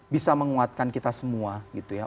bisa menguatkan kita semua gitu ya